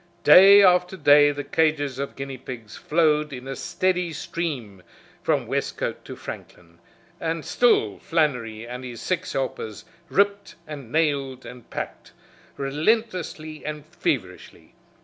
Day after day the cages of guineapigs flowed in a steady stream from Westcote to Franklin, and still Flannery and his six helpers ripped and nailed and packed relentlessly and feverishly.